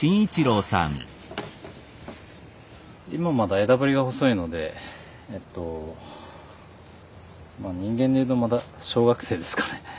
今まだ枝ぶりが細いのでまあ人間で言うとまだ小学生ですかね。